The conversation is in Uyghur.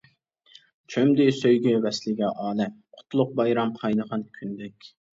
چۆمدى سۆيگۈ ۋەسلىگە ئالەم، قۇتلۇق بايرام قاينىغان كۈندەك.